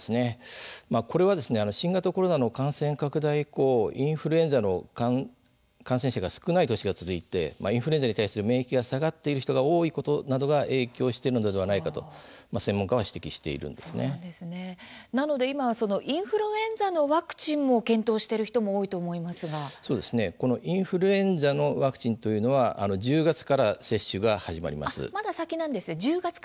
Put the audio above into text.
これは新型コロナの感染拡大以降、インフルエンザの感染者が少ない年が続いてインフルエンザに対する免疫が下がっている人が多いことなどが影響しているのではないかなので今はインフルエンザのワクチンも検討している人も多いとインフルエンザのワクチンというのは１０月から接種が始まります。